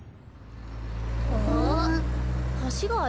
あ。